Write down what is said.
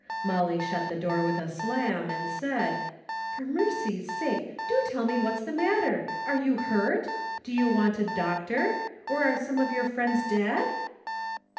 Molly shut the door with a slam and said : For mercy's sake, do tell me what's the matter? Are you hurt? Do you want a doctor ? Or are some of your friends dead